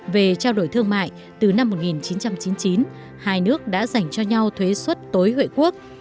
về trao đổi thương mại từ năm một nghìn chín trăm chín mươi chín hai nước đã dành cho nhau thuế suất tối hội quốc